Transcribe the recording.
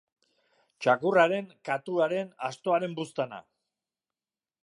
Txakurraren, katuaren, astoaren buztana.